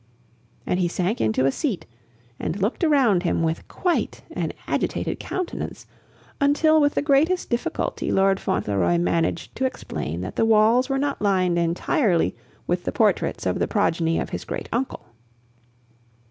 And he sank into a seat and looked around him with quite an agitated countenance, until with the greatest difficulty Lord Fauntleroy managed to explain that the walls were not lined entirely with the portraits of the progeny of his great uncle.